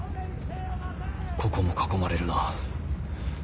ここも囲まれるな。